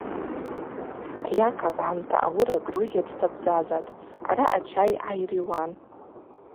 Яков гӏамта ауыра Грузия дтабзазатӏ, араъа чай гӏайриуан.